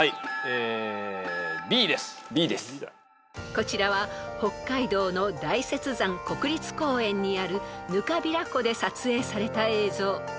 ［こちらは北海道の大雪山国立公園にある糠平湖で撮影された映像］